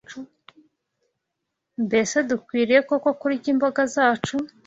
Mbese dukwiriye koko kurya imboga zacu